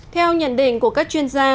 theo nhận định của các chuyên gia